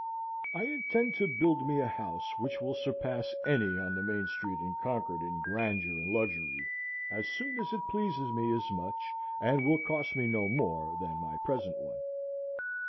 I intend to build me a house which will surpass any on the main street in Concord in grandeur and luxury, as soon as it pleases me as much and will cost me no more than my present one.